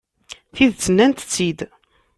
Tidet, nnant-tt-id.